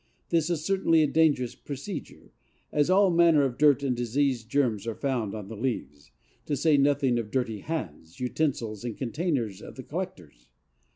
This is certainly a dangerous procedure, as all manner of dirt and disease germs are found on the leaves, to say nothing of dirty hands, utensils and containers of the collectors.